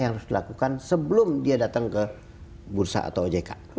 yang harus dilakukan sebelum dia datang ke bursa atau ojk